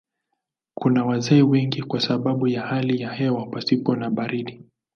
Kuna wazee wengi kwa sababu ya hali ya hewa pasipo na baridi.